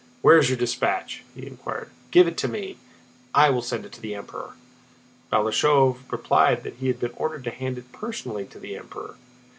"Where is your dispatch?" he inquired. "Give it to me. I will send it to the Emperor." Balashëv replied that he had been ordered to hand it personally to the Emperor.